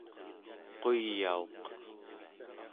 quyauq